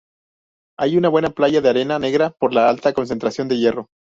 Hay una buena playa de arena negra por la alta concentración de hierro.